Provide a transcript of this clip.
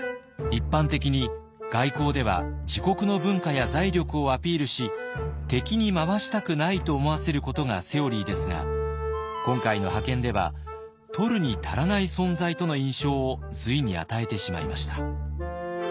一般的に外交では自国の文化や財力をアピールし「敵に回したくない」と思わせることがセオリーですが今回の派遣では「取るに足らない存在」との印象を隋に与えてしまいました。